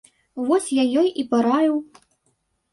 Вось я ёй і параіў.